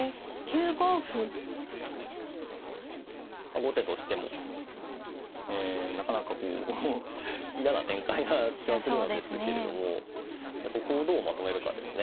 後手としてもなかなかこう嫌な展開な気はするのですけれどもここをどうまとめるかですね。